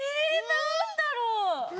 なんだろう。